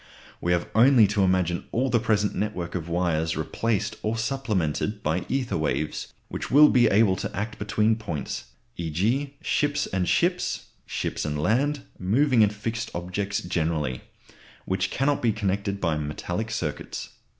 We have only to imagine all the present network of wires replaced or supplemented by ether waves, which will be able to act between points (e.g. ships and ships, ships and land, moving and fixed objects generally) which cannot be connected by metallic circuits.